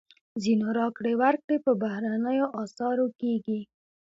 ځینې راکړې ورکړې په بهرنیو اسعارو کېږي.